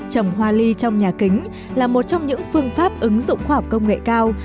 trồng hoa ly trong nhà kính là một trong những phương pháp ứng dụng khoảm công nghệ cao